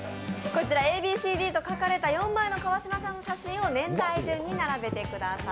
ＡＢＣＤと書かれた４枚の川島さんの写真を年代順に並べてください。